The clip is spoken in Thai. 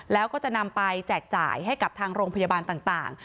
แล้วก็จะนำไปแจกจ่ายให้กับทางโรงพยาบาลต่าง